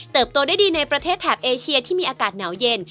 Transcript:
ตัวได้ดีในประเทศแถบเอเชียที่มีอากาศหนาวเย็น